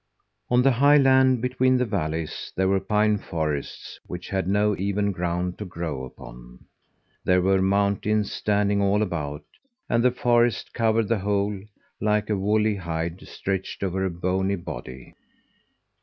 On the high land between the valleys there were pine forests which had no even ground to grow upon. There were mountains standing all about, and the forest covered the whole, like a woolly hide stretched over a bony body.